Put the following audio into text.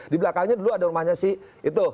di belakangnya dulu ada rumahnya si itu